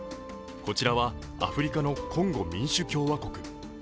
こちらはアフリカのコンゴ民主共和国。